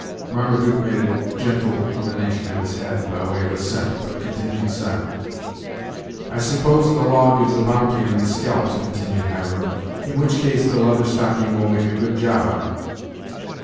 Marmaduke made a gentle inclination of his head, by way of assent, but continued silent. "I s'pose the law gives a bounty on the scalps," continued Hiram, "in which case the Leather Stocking will make a good job on't."